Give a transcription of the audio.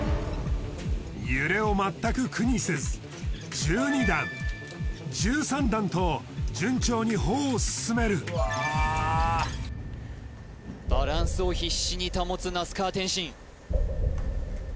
揺れを全く苦にせず１２段１３段と順調に歩を進めるバランスを必死に保つ那須川天心